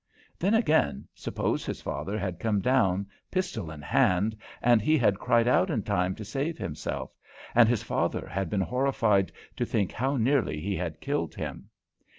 Then, again, suppose his father had come down, pistol in hand, and he had cried out in time to save himself, and his father had been horrified to think how nearly he had killed him?